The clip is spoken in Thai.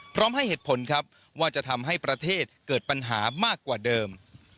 พร้อมให้เหตุผลครับว่าจะทำให้ประเทศเกิดปัญหามากกว่าเดิม